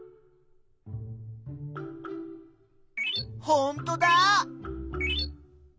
ほんとだ！